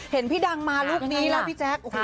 เห็นพี่ดังมาลูกนี้แล้วพี่แจ๊ค